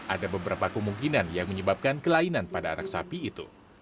ada beberapa kemungkinan yang menyebabkan kelainan pada anak sapi itu